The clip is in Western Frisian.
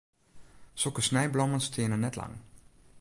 Sokke snijblommen steane net lang.